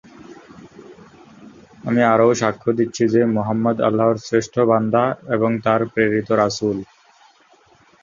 আমি আরও সাক্ষ্য দিচ্ছি যে, মুহাম্মাদ আল্লাহর শ্রেষ্ঠ বান্দা এবং তার প্রেরিত রাসূল।""